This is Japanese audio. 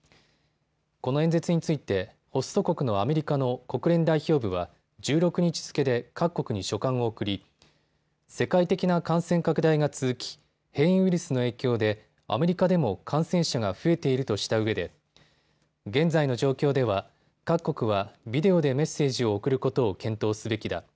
この演説についてホスト国のアメリカの国連代表部は１６日付けで各国に書簡を送り世界的な感染拡大が続き変異ウイルスの影響でアメリカでも感染者が増えているとしたうえで現在の状況では各国はビデオでメッセージを送ることを検討すべきだ。